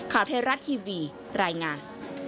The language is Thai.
ข่าวเทราะทีวีรายงาน